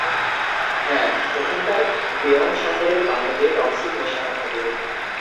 হ্যাঁ, ওখানকার বেয়োন শহরের পানিতে টক্সিন মেশানো থাকে।